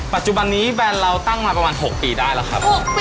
ปัจจุบันนี้แบรนด์เราตั้งมาประมาณ๖ปีได้แล้วครับ